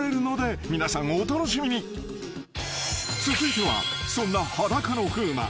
［続いてはそんな裸の風磨。